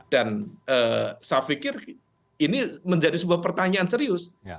dan saya pikir ini menjadi pertanyaan serius